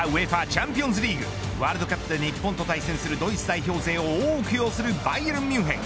チャンピオンズリーグワールドカップで日本と対戦するドイツ代表勢を多く擁するバイエルン・ミュンヘン。